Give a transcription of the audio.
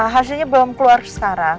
hasilnya belum keluar sekarang